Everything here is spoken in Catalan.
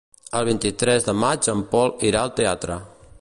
El vint-i-tres de maig en Pol irà al teatre.